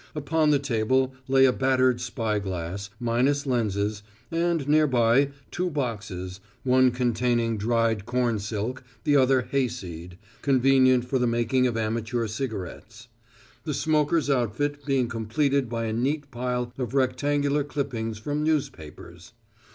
Upon the table lay a battered spy glass, minus lenses, and, nearby, two boxes, one containing dried corn silk, the other hayseed, convenient for the making of amateur cigarettes; the smoker's outfit being completed by a neat pile of rectangular clippings from newspapers.